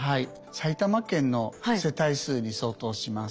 埼玉県の世帯数に相当します。